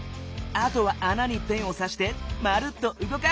あとはあなにペンをさしてまるっとうごかしてみよう。